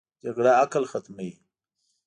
جګړه عقل ختموي